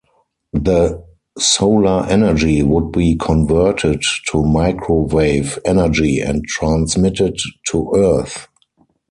The solar energy would be converted to microwave energy and transmitted to Earth.